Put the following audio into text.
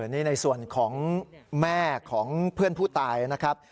นี่ในส่วนของแม่ของเพื่อนผู้ตายนะครับ